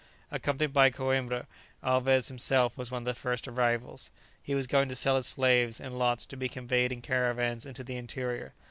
Accompanied by Coïmbra, Alvez himself was one of the first arrivals. He was going to sell his slaves in lots to be conveyed in caravans into the interior.